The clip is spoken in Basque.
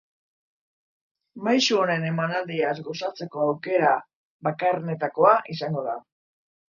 Maisu honen emanaldiaz gozatzeko aukera bakarrenetakoa izango da.